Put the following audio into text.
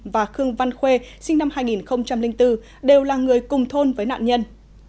và khương văn khuê sinh năm hai nghìn bốn đều là người cùng thôn với nạn nhân